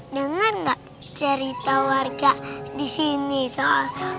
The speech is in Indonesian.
dengar gak cerita warga disini soal